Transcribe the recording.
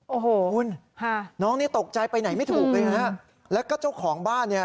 โอ้โหคุณค่ะน้องนี่ตกใจไปไหนไม่ถูกเลยนะฮะแล้วก็เจ้าของบ้านเนี่ย